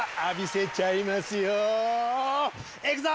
いくぞ！